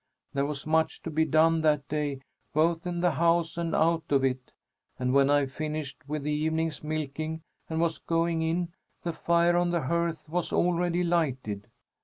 There was much to be done that day, both in the house and out of it, and when I finished with the evening's milking and was going in, the fire on the hearth was already lighted."